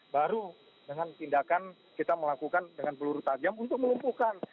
baru dengan tindakan kita melakukan dengan peluru tajam untuk melumpuhkan